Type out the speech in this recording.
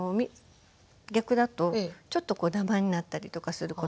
逆だとちょっとダマになったりとかすることがあるので。